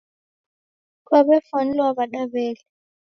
Kwaw'efwanilwa w'ada w'ele.